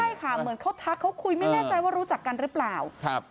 ใช่ค่ะเหมือนเขาทักเขาคุยไม่แน่ใจว่ารู้จักกันหรือเปล่าครับ